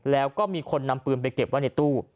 แล้วก็มีคนนำปืนไปเก็บไว้ในตู้